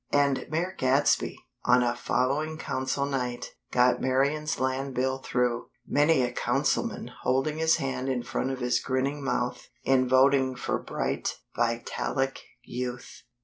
(And Mayor Gadsby, on a following Council night, got Marian's land bill through; many a Councilman holding his hand in front of his grinning mouth, in voting for bright, vitalic Youth.)